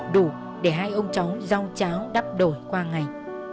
đủ để hai ông cháu rong cháo đắp đổi qua ngày